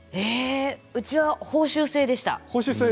うちは報酬制でした。